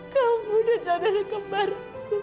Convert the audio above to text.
kamu udah jadikan barangku